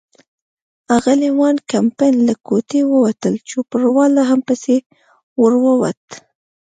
اغلې وان کمپن له کوټې ووتل، چوپړوال هم پسې ور ووت.